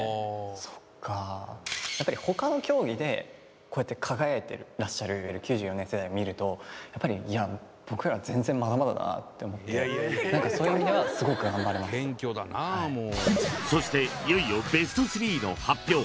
そっかやっぱり他の競技でこうやって輝いてらっしゃるいわゆる９４年世代を見るとやっぱりいや僕らは全然って思って何かそういう意味ではすごく頑張れますはいそしていよいよベスト３の発表